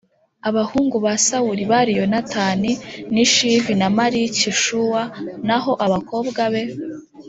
Abahungu ba Sawuli bari Yonatani n Ishivi na Maliki Shuwa naho abakobwa be